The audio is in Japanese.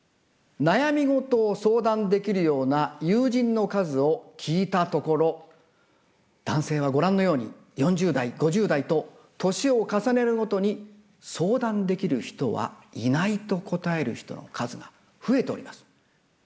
悩みごとを相談できるような友人の数を聞いたところ男性はご覧のように４０代５０代と年を重ねるごとに相談できる人はいないと答える人の数が増えております。